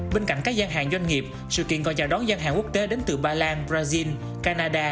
bên cạnh các doanh nghiệp sự kiện gọi chào đón doanh hàng quốc tế đến từ bà lan brazil canada